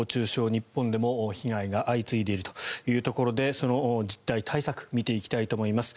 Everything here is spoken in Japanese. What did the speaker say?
日本でも被害が相次いでいるというところでその実態、対策を見ていきたいと思います。